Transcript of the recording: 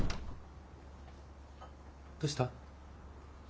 どうした？